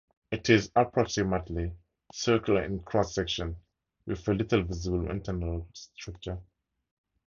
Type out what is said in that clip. It is approximately circular in cross-section with a little visible internal structure.